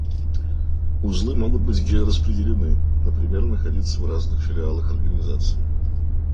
Узлы могут быть гео-распределены: например, находиться в разных филиалах организации